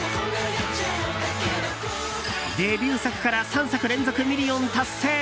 デビュー作から３作連続ミリオン達成。